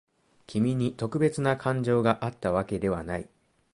君に特別な感情があったわけではない。